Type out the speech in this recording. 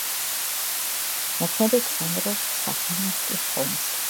მოქმედებს საავტომობილო გზა ალექნანდროვსკ-სახალინსკი—ხოლმსკი.